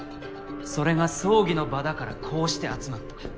それが葬儀の場だからこうして集まった。